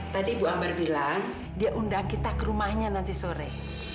tadi ibu amar bilang dia undang kita ke rumahnya nanti sore